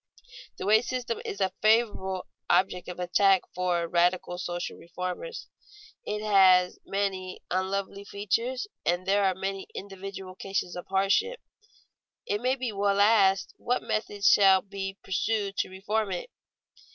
The wage system is a favorite object of attack for radical social reformers. It has many unlovely features and there are many individual cases of hardship. It may well be asked, What method shall be pursued to reform it?